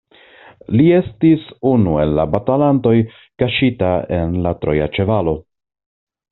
Li estis unu el la batalantoj kaŝita en la troja ĉevalo.